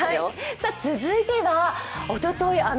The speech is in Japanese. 続いてはおととい